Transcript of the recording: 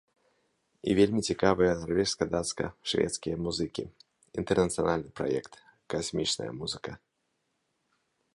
І вельмі цікавыя нарвежска-дацка-шведскія музыкі, інтэрнацыянальны праект, касмічная музыка!